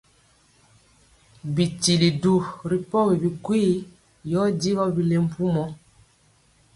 Bitili du ri pɔgi bikwii yɔ digɔ bile mpumɔ.